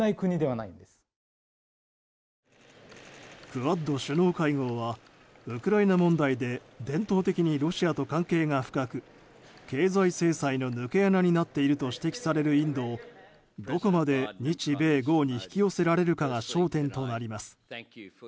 クアッド首脳会合はウクライナ問題で伝統的にロシアと関係が深く経済制裁の抜け穴になっていると指摘されるインドをどこまで日米豪に引き寄せられるかが焦点となります。